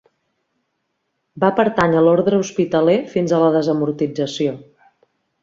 Va pertànyer a l'orde hospitaler fins a la desamortització.